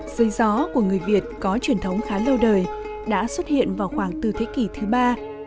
giới gió của người việt có truyền thống khá lâu đời đã xuất hiện vào khoảng từ thế kỷ thứ ba